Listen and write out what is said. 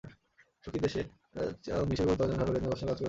সুখী দেশ হিসেবে গড়ে তোলার সরকারি এজেন্ডা বাস্তবায়নে কাজ করবেন তিনি।